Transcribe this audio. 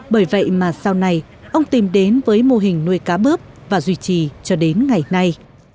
bởi vậy mà sau này ông tìm đến với mô hình nuôi cá bớp và duy trì cho đến ngày nay